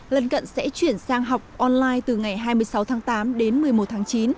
lần cận sẽ chuyển sang học online từ ngày hai mươi sáu tháng tám đến một mươi một tháng chín